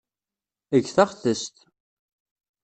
Eg taɣtest.